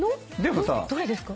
どれですか？